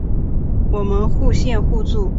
我们展现互助